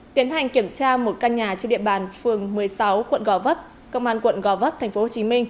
tiến hành kiểm tra một căn nhà trên địa bàn phường một mươi sáu quận gò vấp công an quận gò vấp tp hcm